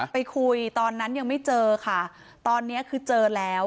ไปคุยตอนนั้นยังไม่เจอค่ะตอนนี้คือเจอแล้ว